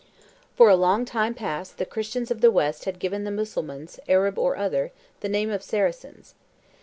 For a long time past the Christians of the West had given the Mussulmans, Arab or other, the name of Saracens.